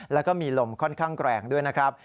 แล้วก็มีลมค่อนข้างแรงด้วยนะครับ